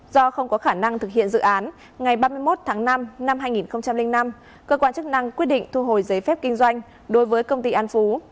do không có khả năng thực hiện dự án ngày ba mươi một tháng năm năm hai nghìn năm cơ quan chức năng quyết định thu hồi giấy phép kinh doanh đối với công ty an phú